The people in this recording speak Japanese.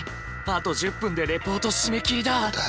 あと１０分でレポート締め切りだ！